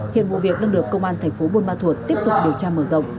hiện vụ việc đang được công an tp bôn ma thuột tiếp tục điều tra mở rộng